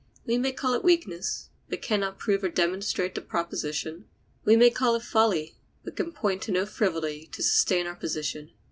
We may call it weakness, but can not prove or demonstrate the proposition. We may call it folly, but can point to no frivolity to sustain our position.